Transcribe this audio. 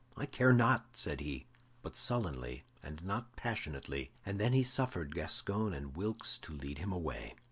"I care not!" said he, but sullenly and not passionately, and then he suffered Gascoyne and Wilkes to lead him away.